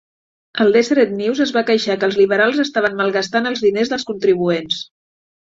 El "Deseret News" es va queixar que els liberals estaven malgastant els diners dels contribuents.